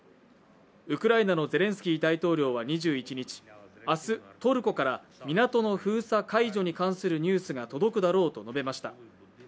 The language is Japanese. ウクライナのゼレンスキー大統領は２１日明日、トルコから港の封鎖解除に関するニュースが届くだろうと述べました。